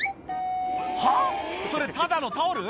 「はぁ⁉それただのタオル？」